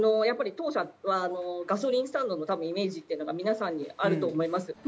やっぱり当社はガソリンスタンドのイメージっていうのが皆さんにあると思います。